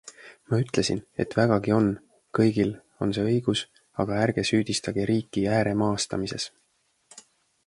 Ma ütlesin, et vägagi on, kõigil on see õigus, aga ärge süüdistage riiki ääremaastamises.